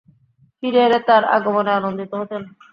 ফিরে এলে তার আগমনে আনন্দিত হতেন।